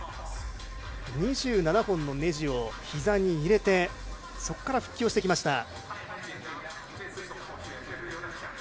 ２７本のねじを、ひざに入れてそこから復帰してきました。